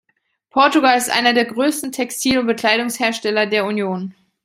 Portugal ist einer der größten Textil- und Bekleidungshersteller der Union.